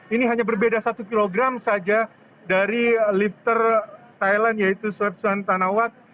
ini hanya berbeda satu kg saja dari lifter thailand yaitu swepsan tanawat